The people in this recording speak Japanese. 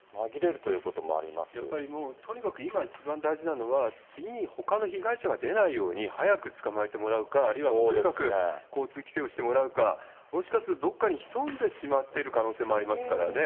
やっぱりもうとにかく今一番大事なのは、次にほかの被害者が出ないように、早く捕まえてもらうか、あるいはとにかく交通規制をしてもらうか、もしかすると、どこかに潜んでしまっている可能性もありますからね。